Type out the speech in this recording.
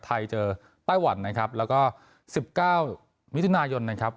ไทยเจอไต้หวันนะครับแล้วก็๑๙มิถุนายนนะครับ